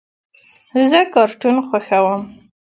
زه کارټون خوښوم.